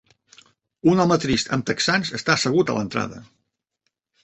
Un home trist amb texans està assegut a l'entrada.